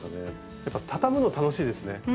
やっぱ畳むの楽しいですね。